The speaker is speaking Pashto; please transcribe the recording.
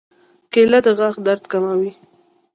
کېله د غاښونو درد کموي.